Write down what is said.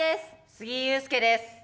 杉井勇介です。